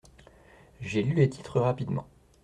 J’ai lu les titres rapidement.